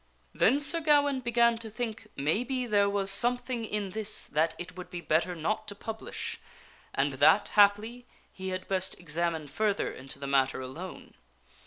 Then Sir Gawaine began to think maybe there was something in this that it would be better not to publish, and that, haply, he had best ex amine further into the matter alone.